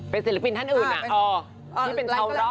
เป็นศิลปินท่านอื่นที่เป็นชาวรอบ